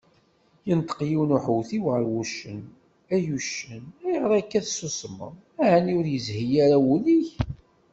Yenṭeq yiwen uḥewtiw γer wuccen: Ay uccen, ayγer akka tessusmeḍ, εni ur yezhi ara wul-ik?